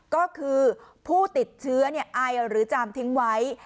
ก็คือผู้ติดเชื้อไอหรือจามทิ้งไว้